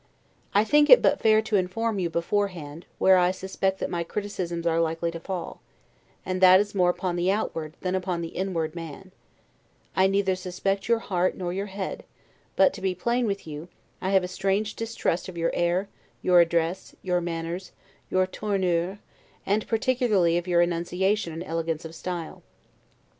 I think it but fair to inform you beforehand, where I suspect that my criticisms are likely to fall; and that is more upon the outward, than upon the inward man; I neither suspect your heart nor your head; but to be plain with you, I have a strange distrust of your air, your address, your manners, your 'tournure', and particularly of your ENUNCIATION and elegance of style.